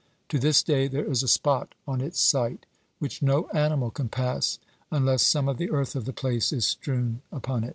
To this day there is a spot on its site which no animal can pass unless some of the earth of the place is strewn upon it.